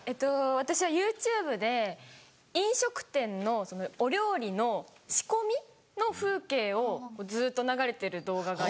私はＹｏｕＴｕｂｅで飲食店のお料理の仕込みの風景をずっと流れてる動画がありまして。